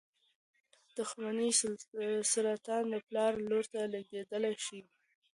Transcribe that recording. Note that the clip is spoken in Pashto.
د تخمدان سرطان له پلاره لور ته لېږدېدلی شي.